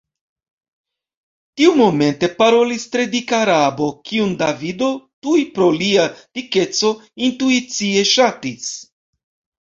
Tiumomente parolis tre dika Arabo – kiun Davido tuj pro lia dikeco intuicie ŝatis.